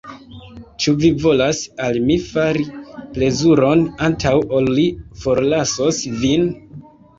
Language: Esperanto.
Ĉu vi volas al mi fari plezuron, antaŭ ol mi forlasos vin?